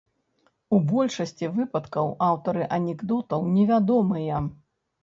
У большасці выпадкаў аўтары анекдотаў невядомыя.